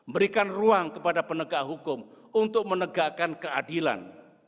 berikan ruang kepada penegak hukum untuk menegakkan keadilan